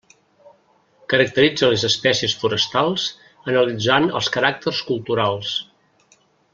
Caracteritza les espècies forestals analitzant els caràcters culturals.